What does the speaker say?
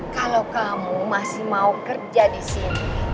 kalau kamu masih mau kerja disini